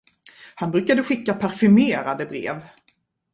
Han brukade skicka parfymerade brev.